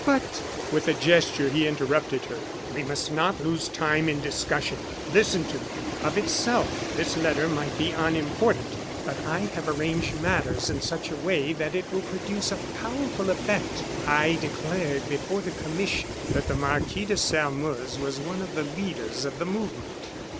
"But " With a gesture, he interrupted her. "We must not lose time in discussion listen to me. Of itself, this letter might be unimportant, but I have arranged matters in such a way that it will produce a powerful effect. I declared before the commission that the Marquis de Sairmeuse was one of the leaders of the movement.